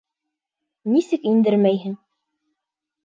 Нисек индермәйһең?